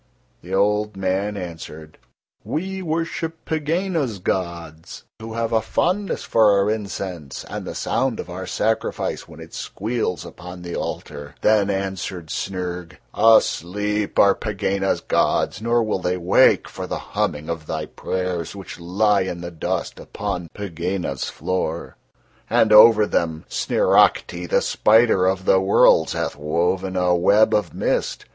The old man answered: "We worship Pegāna's gods, who have a fondness for our incense and the sound of our sacrifice when it squeals upon the altar." Then answered Snyrg: "Asleep are Pegāna's gods, nor will They wake for the humming of thy prayers which lie in the dust upon Pegāna's floor, and over Them Sniracte, the spider of the worlds, hath woven a web of mist.